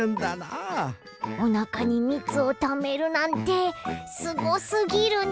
おなかにみつをためるなんてすごすぎるね！